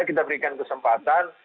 kita berikan kesempatan